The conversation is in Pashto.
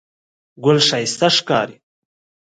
ګل ښایسته ښکاري.